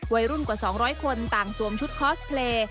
วัยรุ่นกว่า๒๐๐คนต่างสวมชุดคอสเพลย์